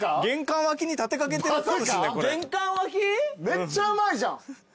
めっちゃうまいじゃん。